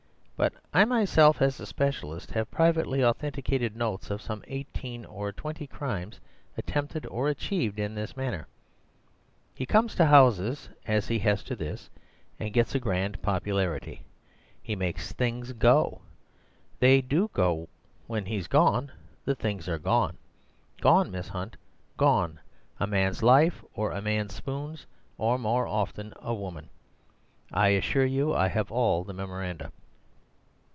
But I myself, as a specialist, have privately authenticated notes of some eighteen or twenty crimes attempted or achieved in this manner. He comes to houses as he has to this, and gets a grand popularity. He makes things go. They do go; when he's gone the things are gone. Gone, Miss Hunt, gone, a man's life or a man's spoons, or more often a woman. I assure you I have all the memoranda."